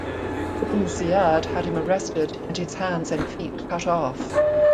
Ibn Ziyad had him arrested and his hands and feet cut off.